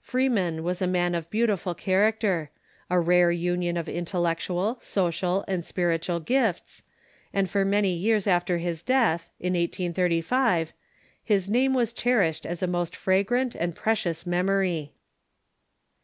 Freeman was a man of beautiful character — a rare union of intellectual, social, and spiritual gifts ; and for many years after his death (in 1835) his name was cherished as a most fra grant and precious memory.